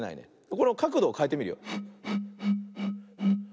このかくどをかえてみるよ。